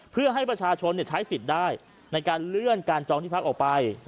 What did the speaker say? เพื่อให้ประชาชนใช้สิทธิ์ได้ในการเลื่อนการจองที่พักออกไป